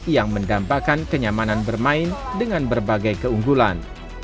yang mendambakan kenyamanan bermain dengan berbagai keunggulan